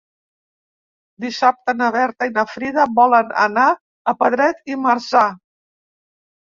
Dissabte na Berta i na Frida volen anar a Pedret i Marzà.